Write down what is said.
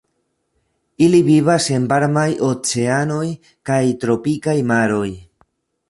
Ili vivas en varmaj oceanoj kaj tropikaj maroj.